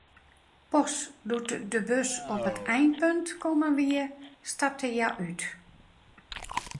Pas doe't de bus op it einpunt kommen wie, stapte hja út.